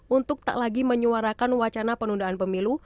untuk tak lagi menyuarakan wacana penundaan pemilu